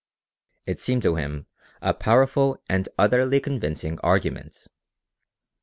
It seemed to him a powerful and utterly convincing argument.